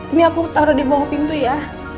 ini aku taruh di bawah pintu ya